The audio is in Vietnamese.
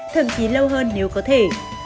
thậm chí lâu hơn nếu có thể